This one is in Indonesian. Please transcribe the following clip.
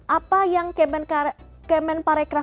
apa yang kemen parekraf